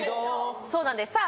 そうなんですさあ